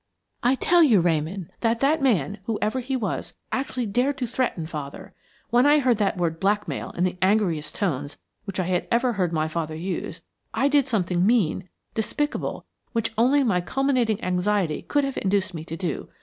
"I tell you, Ramon, that that man, whoever he was, actually dared to threaten father. When I heard that word 'blackmail' in the angriest tones which I had ever heard my father use, I did something mean, despicable, which only my culminating anxiety could have induced me to do.